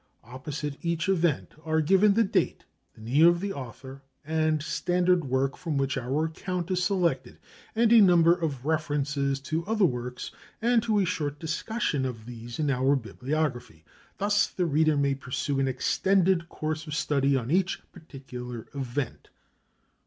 Opposite each event are given the date, the name of the author and standard work from which our account is selected, and a number of references to other works and to a short discussion of these in our Bibliography. Thus the reader may pursue an extended course of study on each particular event.